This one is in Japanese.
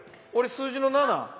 俺数字の７。